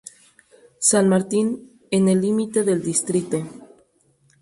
San Martín, en el límite del distrito-